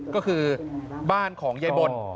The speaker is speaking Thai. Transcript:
ก็คือบ้านของยายบน